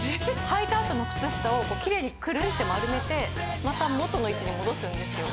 履いたあとの靴下をキレイにくるんって丸めてまた元の位置に戻すんですよ。